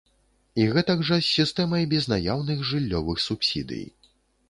І гэтак жа з сістэмай безнаяўных жыллёвых субсідый!